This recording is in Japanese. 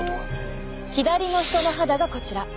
左の人の肌がこちら。